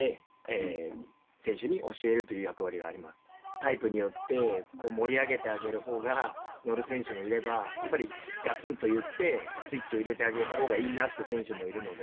タイプによって盛り上げてあげるほうが乗る選手もいればやっぱりガツンと言ってスイッチを入れてあげたほうがいいなって選手もいるので。